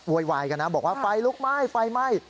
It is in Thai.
วายกันนะบอกว่าไฟลุกไหม้ไฟไหม้